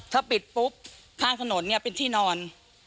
ถ้าปิดปุ๊บข้างถนนเนี่ยเป็นที่นอน